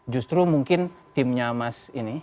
justru mungkin timnya mas ini